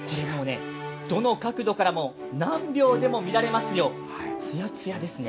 どの角度からも、何秒でも見られますよ、つやつやですね。